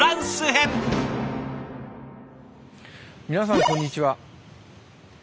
皆さんこんにちは。